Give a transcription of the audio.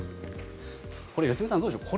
良純さんどうでしょう。